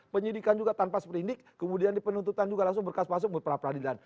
penyidikan juga tanpa seperindik kemudian di penuntutan juga langsung berkas masuk peradilan